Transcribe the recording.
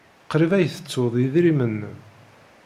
Qrib ay tettud idrimen-nnem.